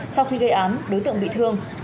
sau khi gây án đối tượng bị thương